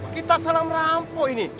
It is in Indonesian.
kita salah merampok ini